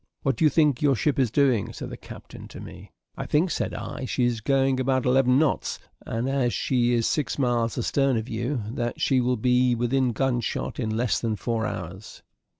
"What do you think your ship is doing?" said the captain to me. "I think," said I, "she is going about eleven knots; and, as she is six miles astern of you, that she will be within gunshot in less than four hours."